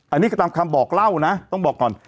อันนี้ก็ตามคำบอกเล่านะต้องบอกก่อน